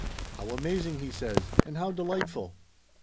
"How amazing!" he says. "And how delightful!"